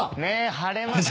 「晴れましたね」